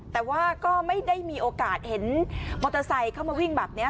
แต่ว่าก็ไม่ได้มีโอกาสเห็นมอเตอร์ไซค์เข้ามาวิ่งแบบนี้